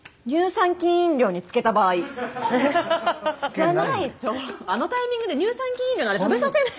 じゃないとあのタイミングで乳酸菌飲料なんて食べさせない。